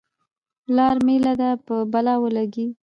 لار میله دې په بلا ولګي.